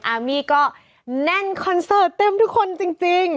อามี่ก็แน่นคอนเสิร์ตเต็มทุกคนจริง